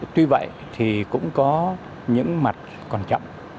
tuy vậy thì cũng có những mặt còn chậm